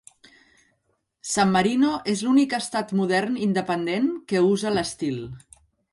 San Marino és l'únic estat modern independent que usa l'estil.